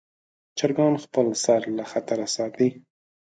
چرګان خپل سر له خطره ساتي.